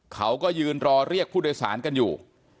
เขาก็ยืนรอเรียกผู้โดยสารกันอยู่